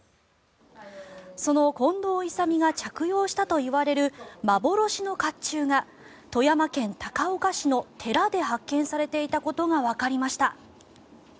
その近藤勇が着用したといわれる幻の甲冑が富山県高岡市の寺で発見されていたことがわかりました。